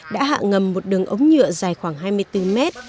đã hạ ngầm một đường ống nhựa dài khoảng hai mươi bốn mét